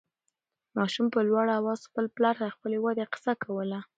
ماشوم په لوړ اواز خپل پلار ته د خپلې ودې قصه کوله.